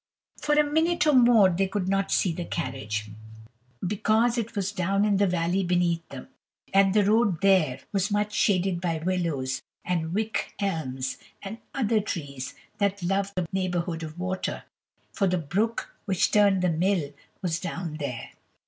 For a minute or more they could not see the carriage, because it was down in the valley beneath them, and the road there was much shaded by willows and wych elms and other trees that love the neighbourhood of water, for the brook which turned the mill was down there.